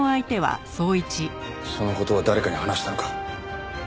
その事は誰かに話したのか？